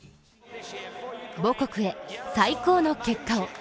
母国へ、最高の結果を。